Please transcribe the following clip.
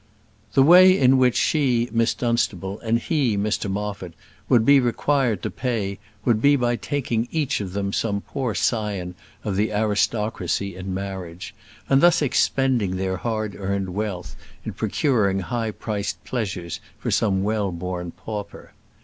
The way in which she, Miss Dunstable, and he, Mr Moffat, would be required to pay would be by taking each of them some poor scion of the aristocracy in marriage; and thus expending their hard earned wealth in procuring high priced pleasures for some well born pauper.